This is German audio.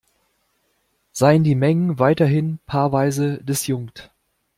Seien die Mengen weiterhin paarweise disjunkt.